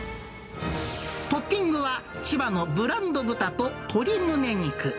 トッピングは、千葉のブランド豚と鶏むね肉。